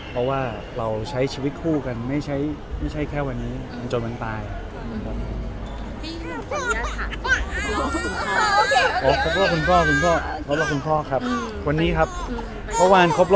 เพราะว่าเราใช้ชีวิตคู่กันไม่ใช่แค่วันนี้จนมันตาย